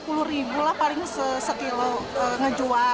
dulu bisa beli rp dua puluh lah paling sekilo ngejual